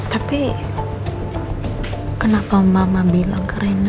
tapi kenapa mama bilang ke reina